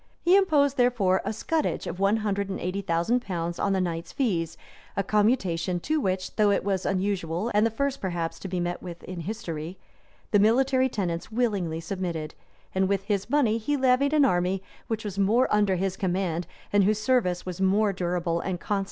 He imposed, therefore, a scutage of one hundred and eighty thousand pounds on the knights' fees, a commutation to which, though it was unusual, and the first perhaps to be met with in history,[*] the military tenants willingly submitted; and with this money he levied an army which was more under his command, and whose service was more durable and constant.